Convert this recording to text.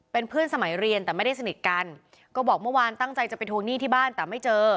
เป็นเพื่อนสมัยเรียนแต่ไม่ได้สนิทกันก็บอกเมื่อวานตั้งใจจะไปทวงหนี้ที่บ้านแต่ไม่เจอ